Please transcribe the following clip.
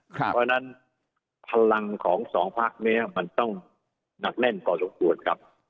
เพราะฉะนั้นพลังของสองพักนี้มันต้องหนักแน่นพอสมควรครับ